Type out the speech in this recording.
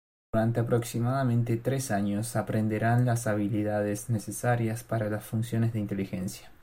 Durante aproximadamente tres años, aprenderán las habilidades necesarias para las funciones de inteligencia.